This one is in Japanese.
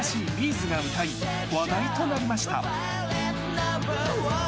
’ｚが歌い、話題となりました。